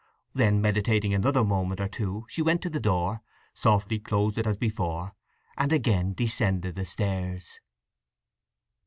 Then meditating another moment or two she went to the door, softly closed it as before, and again descended the stairs.